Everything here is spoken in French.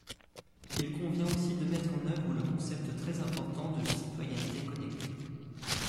Il convient aussi de mettre en œuvre le concept très important de citoyenneté connectée.